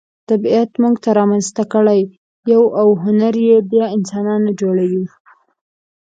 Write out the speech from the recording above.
طبیعت موږ را منځته کړي یو او هنر بیا انسانان جوړوي.